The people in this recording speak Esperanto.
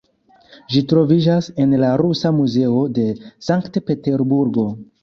Ĝi troviĝas en la Rusa Muzeo de Sankt-Peterburgo.